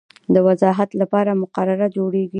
د وضاحت لپاره مقرره جوړیږي.